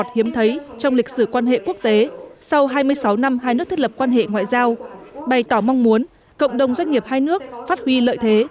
hiếm thấy trong lịch sử quan hệ quốc tế sau hai mươi sáu năm hai nước thiết lập quan hệ ngoại giao bày tỏ mong muốn cộng đồng doanh nghiệp hai nước phát huy lợi thế